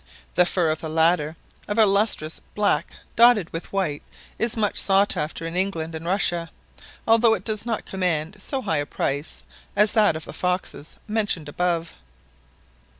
The fur of the latter of a lustrous black dotted with white is much sought after in England and Russia, although it does not command so high a price as that of the foxes mentioned above.